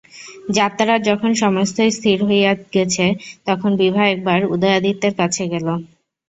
যাত্রার যখন সমস্তই স্থির হইয়া গেছে, তখন বিভা একবার উদয়াদিত্যের কাছে গেল!